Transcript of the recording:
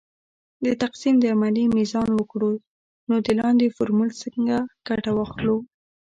د تقسیم د عملیې میزان وکړو نو د لاندې فورمول څخه ګټه اخلو .